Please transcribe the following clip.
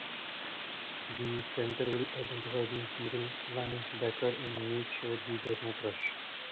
The center will identify the middle linebacker and make sure he does not rush.